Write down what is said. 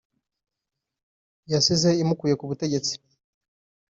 yasize imukuye ku butegetsi